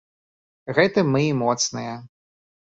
Гэтым мы і моцныя.